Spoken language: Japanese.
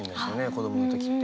子どもの時って。